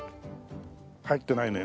入ってないね。